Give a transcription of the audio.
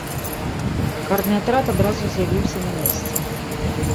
Карны атрад адразу з'явіўся на месца.